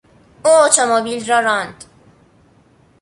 او اتومبیل را راند.